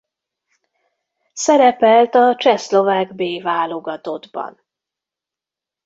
Szerepelt a csehszlovák-B válogatottban.